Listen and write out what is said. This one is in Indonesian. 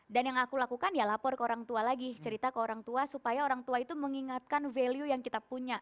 dan yang aku lakukan ya lapor ke orang tua lagi cerita ke orang tua supaya orang tua itu mengingatkan value yang kita punya